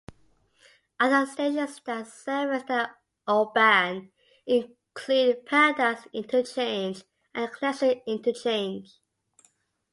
Other stations that service the O-Bahn include Paradise Interchange and Klemzig Interchange.